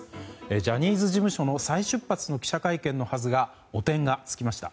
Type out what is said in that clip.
ジャニーズ事務所の再出発の記者会見のはずが汚点が付きました。